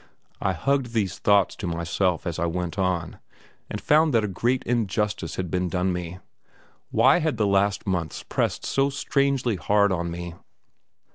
I hugged these thoughts to myself as I went on, and found that a great injustice had been done me. Why had the last months pressed so strangely hard on me?